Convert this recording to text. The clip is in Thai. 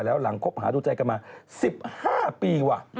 แล้วหลังคบหาดูใจกันมา๑๕ปีว่ะ